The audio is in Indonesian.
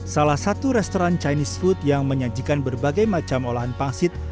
salah satu restoran chinese food yang menyajikan berbagai macam olahan pangsit